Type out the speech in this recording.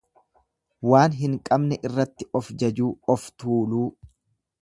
Waan hin qabne irratti of jajuu of tuuluu.